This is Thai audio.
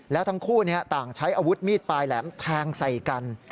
แล้วทั้งคู่ต่างใช้อาวุธมีดปลายแหลมแทงใส่กัน